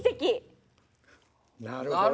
なるほど。